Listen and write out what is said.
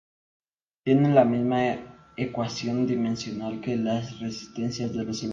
Tiene la misma ecuación dimensional que las resistencias de los elementos constructivos.